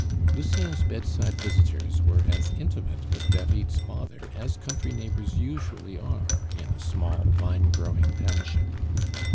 Lucien's bedside visitors were as intimate with David's father as country neighbors usually are in a small vine growing township.